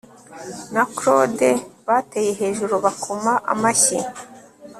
na Claude bateye hejuru bakoma amashyi